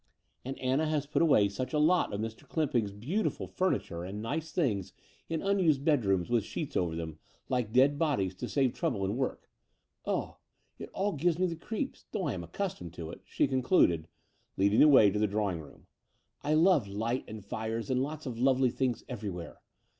And Anna has put away such a lot of Mn CljTxapi^g's beautiful fur«> ZI i62 The Door of the Unreal niture and nice things in unused bedrooms wifh sheets over them, like dead bodies, to save trouble and work. Ugh, it all gives me creeps, though I am accustomed to it," she concluded, leading the way to the drawing room. '' I love light and fires and lots of lovely things everywhere.